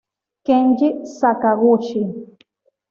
Kenji Sakaguchi